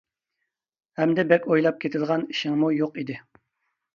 ھەمدە بەك ئويلاپ كېتىدىغان ئىشىڭمۇ يوق ئىدى.